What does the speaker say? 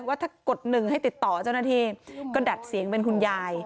ว่าถ้ากดหนึ่งให้ติดต่อเจ้าหน้าที่ก็ดัดเสียงเป็นคุณยาย